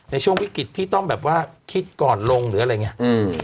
ในช่วงวิกฤตที่ต้องแบบว่าคิดก่อนลงหรืออะไรอย่างนี้